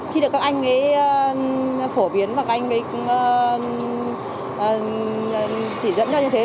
khi được các anh ấy phổ biến và các anh mới chỉ dẫn cho như thế